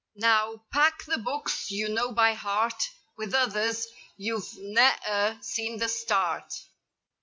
Now, pack the books you know by heart With others, you've ne'er seen the start.